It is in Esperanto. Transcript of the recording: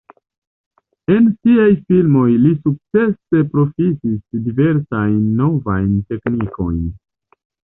En siaj filmoj li sukcese profitis diversajn novajn teknikojn.